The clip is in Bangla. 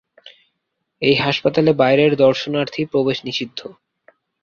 এই হাসপাতালে বাইরের দর্শনার্থী প্রবেশ নিষিদ্ধ।